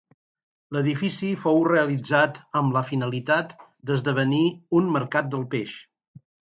L'edifici fou realitzat amb la finalitat d'esdevenir el mercat del peix.